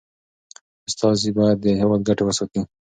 استازي باید د هیواد ګټي وساتي.